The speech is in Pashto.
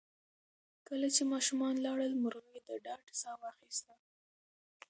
کله چې ماشومان لاړل، مرغۍ د ډاډ ساه واخیسته.